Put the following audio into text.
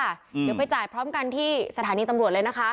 เดี๋ยวไปจ่ายพร้อมกันที่สถานีตำรวจเลยนะคะ